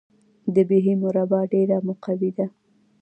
د بهي مربا ډیره مقوي ده.